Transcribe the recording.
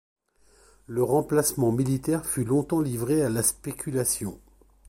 Le remplacement militaire fut longtemps livré à la spéculation...